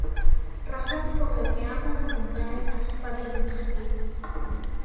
Razón por la que ambas acompañan a sus padres en sus giras.